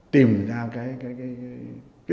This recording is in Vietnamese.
tìm ra cái